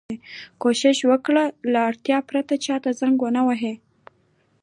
کوشش وکړئ! له اړتیا پرته چا ته زنګ و نه وهئ.